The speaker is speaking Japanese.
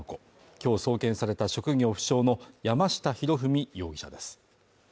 今日送検された職業不詳の山下裕史容疑者です。